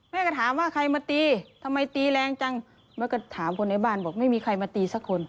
แม่ก็ถามว่าใครมาตีทำไมตีแรงจังแม่ก็ถามคนในบ้านบอกไม่มีใครมาตีสักคน